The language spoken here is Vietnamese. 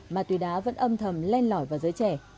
mà tùy đã vẫn âm thầm len lõi vào giới trẻ